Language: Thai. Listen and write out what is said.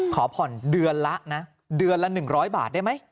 ขอผ่อนเดือนละนะเดือนละ๑๐๐บาทได้ไหม